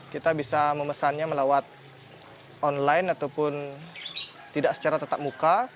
kita bisa memesannya melawat online ataupun tidak secara tetap muka